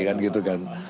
kan gitu kan